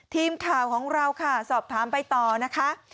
ทีมข่าวของเราค่ะสอบถามไปต่อนะคะ